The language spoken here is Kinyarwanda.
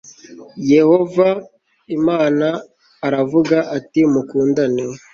yehova imana aravuga ati mukundane